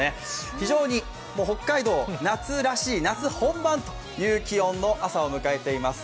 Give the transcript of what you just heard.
非常に北海道夏らしい、夏本番という朝を迎えています。